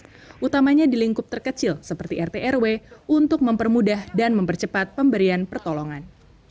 yang utamanya di lingkup terkecil seperti rt rw untuk mempermudah dan mempercepat pemberian pertolongan